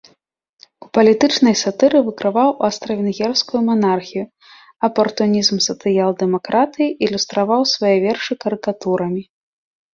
У палітычнай сатыры выкрываў аўстра-венгерскую манархію, апартунізм сацыял-дэмакратыі, ілюстраваў свае вершы карыкатурамі.